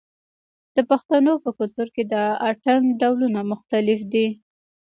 د پښتنو په کلتور کې د اتن ډولونه مختلف دي.